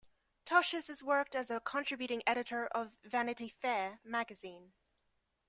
Tosches has worked as a contributing editor of "Vanity Fair" magazine.